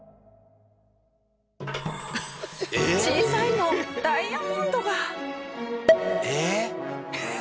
「小さいのダイヤモンドが」。